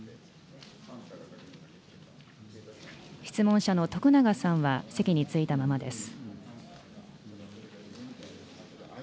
質問者の徳永さんは席に着いたままです。